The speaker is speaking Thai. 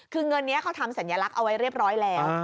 คือเงินนี้เขาทำสัญลักษณ์เอาไว้เรียบร้อยแล้ว